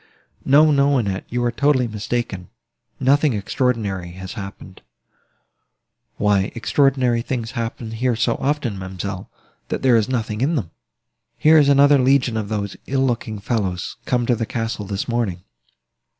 "No, no, Annette, you are totally mistaken, nothing extraordinary has happened." "Why, extraordinary things happen here so often, ma'amselle, that there is nothing in them. Here is another legion of those ill looking fellows, come to the castle, this morning."